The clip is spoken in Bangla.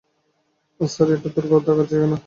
এস্থার, এটা তোর থাকার জায়গা না।